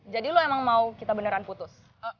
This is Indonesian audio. jadi lo emang mau kita beneran putus